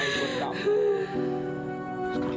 sekarang kamu tenang ya